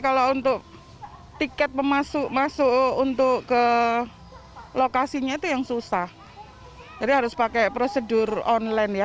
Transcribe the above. kalau untuk tiket pemasuk masuk untuk ke lokasinya itu yang susah jadi harus pakai prosedur online ya